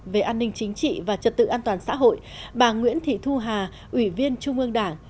về an ninh chính trị và trật tự an toàn xã hội bà nguyễn thị thu hà ủy viên trung ương đảng